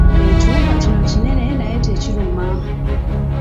Ekiwuka kino kinene naye tekiruma.